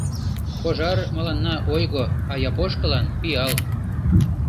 Пожар мыланна ойго, а япошкылан — пиал!